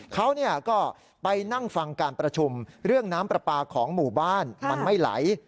เขาก็ไปนั่งฟังการประชุมเรื่องน้ำปลาปลาของหมู่บ้านมันไม่ไหล